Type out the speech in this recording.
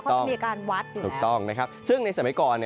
เขาจะมีการวัดอยู่ถูกต้องนะครับซึ่งในสมัยก่อน